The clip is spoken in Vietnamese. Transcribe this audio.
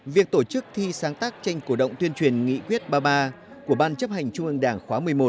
việc tổ chức thi sáng tác tranh cổ động tuyên truyền nghị quyết ba mươi ba của ban chấp hành trung ương đảng khóa một mươi một